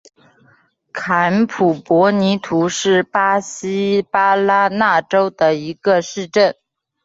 坎普博尼图是巴西巴拉那州的一个市镇。